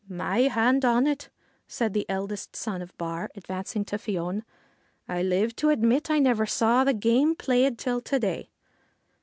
' My hand on it,' said the eldest son of Bawr, advancing to Fion. ' I live to admit that I never saw the game played till to day.'